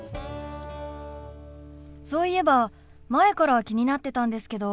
そういえば前から気になってたんですけど。